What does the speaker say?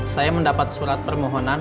saya mendapat surat permohonan